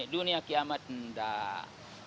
dunia kiamat enggak